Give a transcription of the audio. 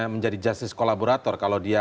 menjadi justice kolaborator kalau dia